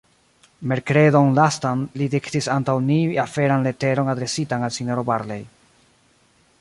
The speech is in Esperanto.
Merkredon lastan, li diktis antaŭ ni aferan leteron adresitan al S-ro Barlei.